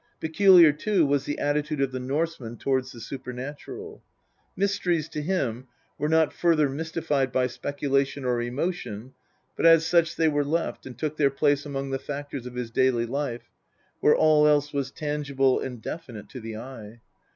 Peculiar, too, was the attitude of the Norseman towards the supernatural. Mysteries to him were not further mystified by speculation or emotion, but as such they were left and took their place among the factors of his daily life, where all else was tangible and definite to the eye.